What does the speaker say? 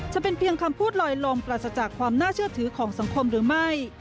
จะเป็นเพียงคำพูดลอยลมปราศจากความน่าเชื่อถือของสังคมหรือไม่